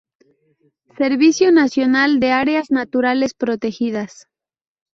Servicio Nacional de Áreas Naturales Protegidas.